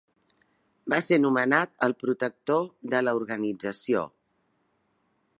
Va ser nomenat el protector de l'organització.